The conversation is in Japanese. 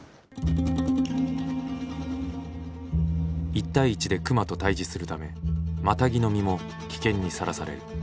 １対１で熊と対じするためマタギの身も危険にさらされる。